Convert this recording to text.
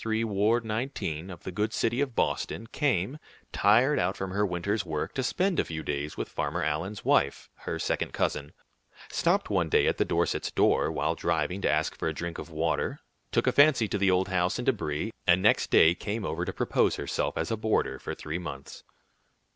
3, Ward Nineteen, of the good city of Boston, came, tired out from her winter's work, to spend a few days with Farmer Allen's wife, her second cousin, stopped one day at the Dorset's door, while driving, to ask for a drink of water, took a fancy to the old house and to Brie, and next day came over to propose herself as a boarder for three months.